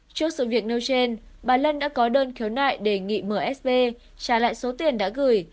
trước sự việc nêu trên bà lân đã có đơn khiếu nại đề nghị msb trả lại số tiền đã gửi